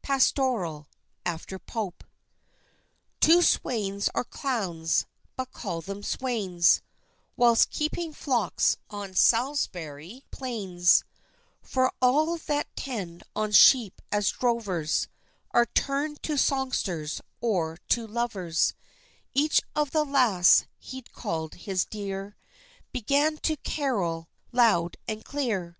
PASTORAL, AFTER POPE. Two swains or clowns but call them swains Whilst keeping flocks on Salisbury plains, For all that tend on sheep as drovers Are turned to songsters or to lovers, Each of the lass he call'd his dear, Began to carol loud and clear.